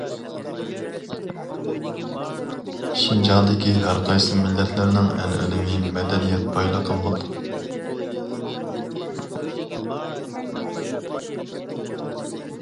شىنجاڭدىكى ھەرقايسى مىللەتلەرنىڭ ئەنئەنىۋى مەدەنىيەت بايلىقى مول.